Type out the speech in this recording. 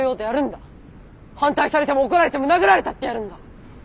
反対されても怒られても殴られたってやるんだ。